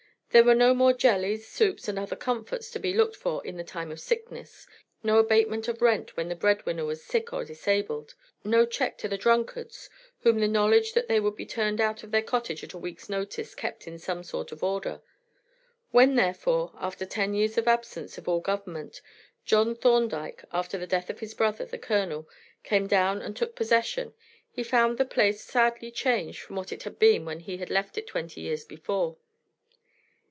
There were no more jellies, soups, and other comforts to be looked for in time of sickness, no abatement of rent when the breadwinner was sick or disabled, no check to the drunkards, whom the knowledge that they would be turned out of their cottage at a week's notice kept in some sort of order. When, therefore, after ten years of absence of all government, John Thorndyke, after the death of his brother, the Colonel, came down and took possession, he found the place sadly changed from what it had been when he had left it twenty years before.